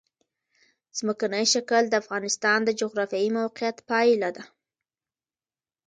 ځمکنی شکل د افغانستان د جغرافیایي موقیعت پایله ده.